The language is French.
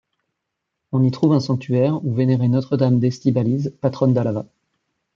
On y trouve un sanctuaire où vénérer Notre-Dame d'Estibaliz, patronne d'Álava.